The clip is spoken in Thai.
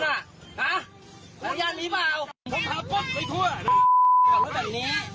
ขับให้เรียนไว้ขับให้เรียนไว้